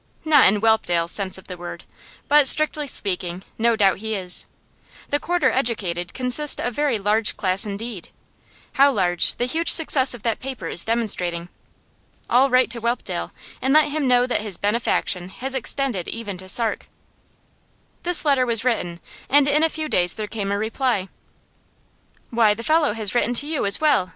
'Not in Whelpdale's sense of the word. But, strictly speaking, no doubt he is. The quarter educated constitute a very large class indeed; how large, the huge success of that paper is demonstrating. I'll write to Whelpdale, and let him know that his benefaction has extended even to Sark.' This letter was written, and in a few days there came a reply. 'Why, the fellow has written to you as well!